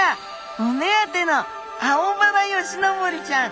お目当てのアオバラヨシノボリちゃん。